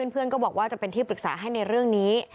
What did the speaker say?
เพื่อนก็บอกว่าจะเป็นที่ปรึกษาให้ในเรื่องนี้